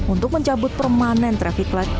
untuk mencabut permanen traffic light